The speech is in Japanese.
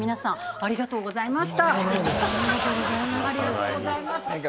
ありがとうございます。